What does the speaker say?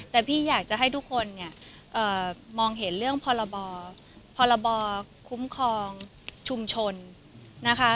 แต่พี่อยากจะให้ทุกคนเนี่ยมองเห็นเรื่องพรบคุ้มครองชุมชนนะคะ